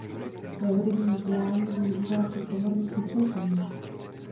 Své hudební vzdělání využívá při komorních vystoupeních.